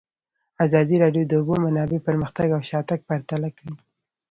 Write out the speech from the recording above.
ازادي راډیو د د اوبو منابع پرمختګ او شاتګ پرتله کړی.